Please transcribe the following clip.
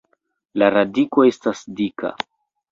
La radiko estas dika.